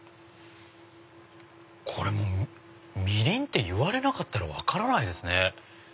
これみりんって言われなかったら分からないですね。